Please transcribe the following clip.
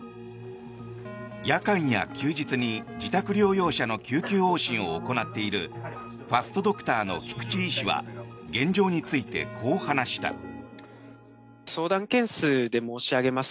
夜間や休日に自宅療養者の救急往診を行っているファストドクターの菊池医師は現状について、こう話した。